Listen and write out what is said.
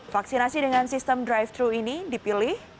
vaksinasi dengan sistem drive thru ini dipilih